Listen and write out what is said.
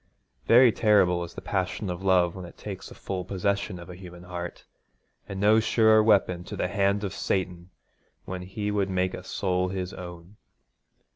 Very terrible is the passion of love when it takes full possession of a human heart, and no surer weapon to the hand of Satan when he would make a soul his own.